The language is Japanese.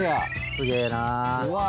すげえな。